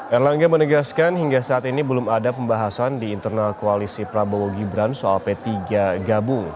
erlangga menegaskan hingga saat ini belum ada pembahasan di internal koalisi prabowo gibran soal p tiga gabung